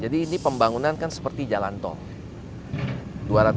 jadi ini pembangunan kan seperti jalantol